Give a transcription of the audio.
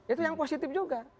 itu yang positif juga